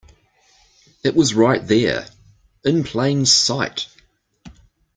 It was right there, in plain sight!